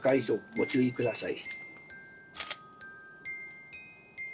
ご注意ください。